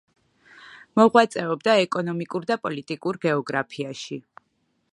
მოღვაწეობდა ეკონომიკურ და პოლიტიკურ გეოგრაფიაში.